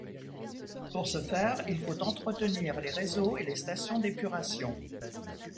Pour ce faire, il faut entretenir les réseaux et les stations d’épurations.